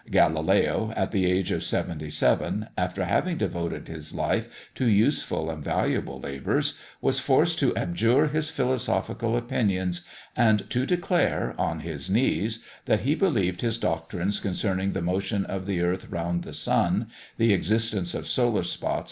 Galileo, at the age of seventy seven, after having devoted his life to useful and valuable labours, was forced to abjure his philosophical opinions, and to declare, on his knees, that he believed his doctrines concerning the motion of the earth round the sun, the existence of solar spots, &c.